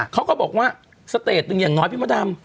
เขาก็บอกว่าสเตจหนึ่งอย่างน้อยพี่มดดำ